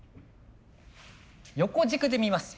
横軸で見ます。